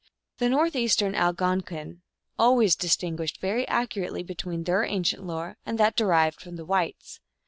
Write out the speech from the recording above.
The Northeastern Algonquin al ways distinguish very accurately between their an cient lore and that derived from the whites.